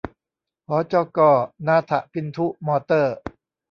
หจก.นาถะพินธุมอเตอร์